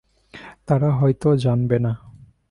তারা হয়তো জানবে না।